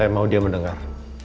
saya mau dia mendengar